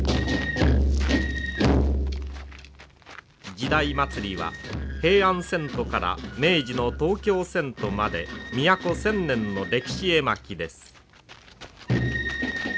時代祭は平安遷都から明治の東京遷都まで都千年の歴史絵巻です。